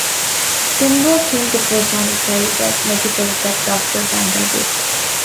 Tembo came to personify the negatives that Doctor Banda did.